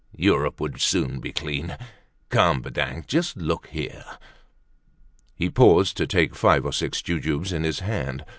Europe would soon be clean. Come, Badingue, just look here." He paused to take five or six jujubes in his hand.